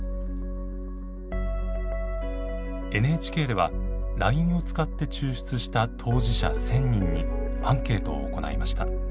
ＮＨＫではＬＩＮＥを使って抽出した当事者１，０００人にアンケートを行いました。